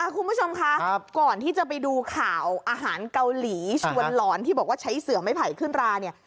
คุณผู้ชมคะก่อนที่จะไปดูข่าวอาหารเกาหลีชวนหลอนที่บอกว่าใช้เสือไม่ไผ่ขึ้นราเนี่ย